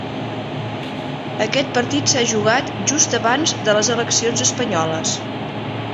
Aquest partit s'ha jugat just abans de les eleccions espanyoles.